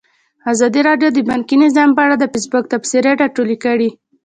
ازادي راډیو د بانکي نظام په اړه د فیسبوک تبصرې راټولې کړي.